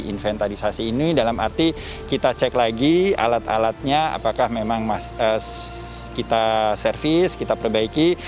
inventarisasi ini dalam arti kita cek lagi alat alatnya apakah memang kita servis kita perbaiki